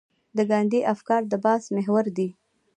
د ګاندي افکار د بحث محور دي.